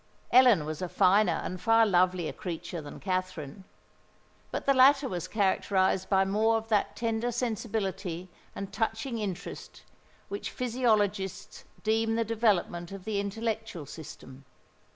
Ellen was a finer and far lovelier creature than Katherine;—but the latter was characterised by more of that tender sensibility and touching interest which physiologists deem the development of the intellectual system.